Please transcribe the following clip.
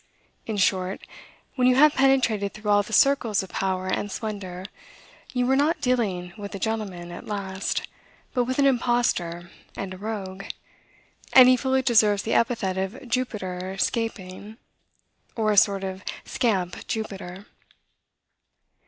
In short, when you have penetrated through all the circles of power and splendor, you were not dealing with a gentleman, at last; but with an impostor and a rogue; and he fully deserves the epithet of Jupiter Scapin, or a sort of Scamp Jupiter.